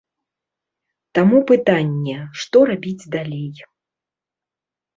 Таму пытанне, што рабіць далей.